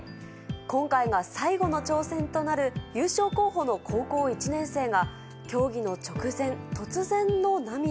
今回が最後の挑戦となる優勝候補の高校１年生が、競技の直前、突然の涙。